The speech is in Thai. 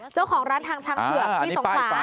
เจ้าของร้านทางทางเผื่อมีสงคร้า